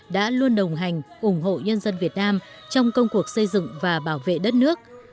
đã luôn đồng hành ủng hộ nhân dân việt nam trong công cuộc xây dựng và bảo vệ đất nước